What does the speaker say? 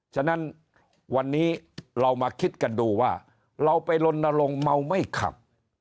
ฉะนั้นวันนี้เรามาคิดกันดูว่าเราไปลนลงเมาไม่ขับ